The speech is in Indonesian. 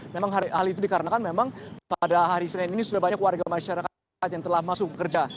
memang hal itu dikarenakan memang pada hari senin ini sudah banyak warga masyarakat yang telah masuk bekerja